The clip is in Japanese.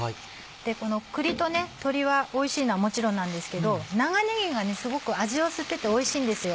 この栗と鶏はおいしいのはもちろんなんですけど長ねぎがすごく味を吸ってておいしいんですよ。